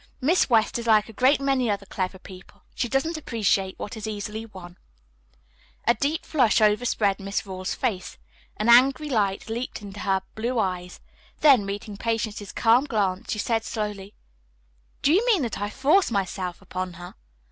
Miss West is like a great many other clever people, she doesn't appreciate what is easily won." A deep flush overspread Miss Rawle's face. An angry light leaped into her blue eyes. Then, meeting Patience's calm glance, she said slowly, "Do you mean that I force myself upon her?"